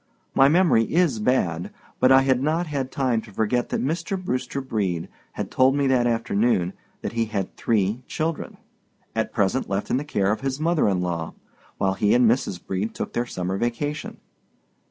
My memory is bad; but I had not had time to forget that Mr. Brewster Brede had told me that afternoon that he had three children, at present left in the care of his mother in law, while he and Mrs. Brede took their summer vacation.